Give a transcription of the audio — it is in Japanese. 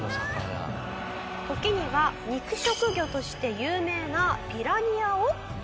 時には肉食魚として有名なピラニアを。